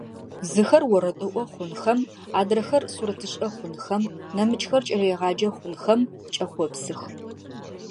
Зыхэр орэдыӀо хъунхэм, адрэхэр сурэтышӀэ хъунхэм, нэмыкӀхэр кӀэлэегъаджэ хъунхэм кӀэхъопсых.